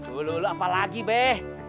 dulu apa lagi beh